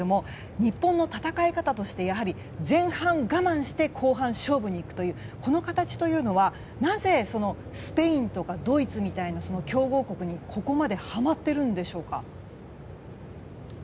日本の戦い方として、やはり前半、我慢して後半、勝負に行くというこの形はなぜスペインとかドイツのような強豪国に、ここまではまってるんでしょうか？